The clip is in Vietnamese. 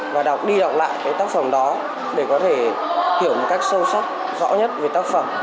làm lại cái tác phẩm đó để có thể hiểu một cách sâu sắc rõ nhất về tác phẩm